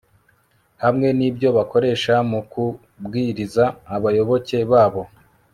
hamwe n'ibyo bakoresha mu kubwiriza abayoboke babo